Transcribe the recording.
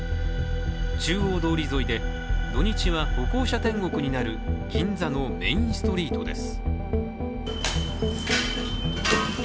中央通り沿いで、土日は歩行者天国になる銀座のメインストリートです。